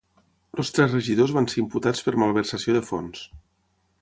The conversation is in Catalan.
Els tres regidors van ser imputats per malversació de fons.